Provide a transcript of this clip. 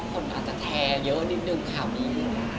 คนอาจจะแชร์เยอะนิดนึงข่าวนี้